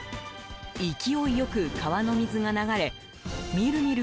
勢いよく川の水が流れみるみる